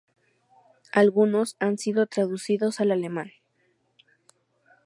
Algunos han sido traducidos al alemán.